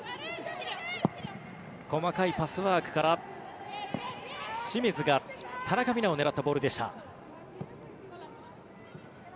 細かいパスワークから清水が田中美南を狙ったボールでした。